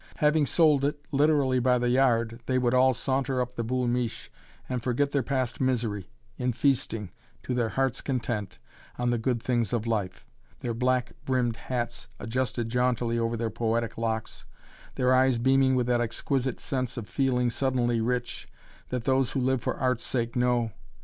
Having sold it, literally by the yard, they would all saunter up the "Boul' Miche," and forget their past misery, in feasting, to their hearts' content, on the good things of life. On days like these, you would see them passing, their black brimmed hats adjusted jauntily over their poetic locks their eyes beaming with that exquisite sense of feeling suddenly rich, that those who live for art's sake know!